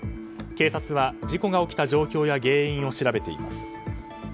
警察は事故が起きた状況は原因を調べています。